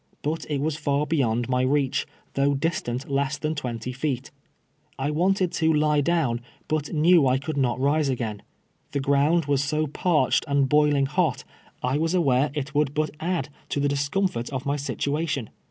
But it was far beyond my reach, though distant less than twenty feet. I wanted to lie down, but knew I could not rise again. The ground was so parched and boiling hot I was aware it would but add to the discomfort of my situation.